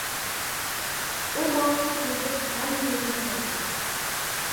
- ئۇ ماڭا خەت يېزىپ، غەم يېمىگىن، دەپتۇ!